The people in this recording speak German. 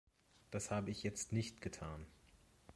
Das habe ich jetzt nicht getan.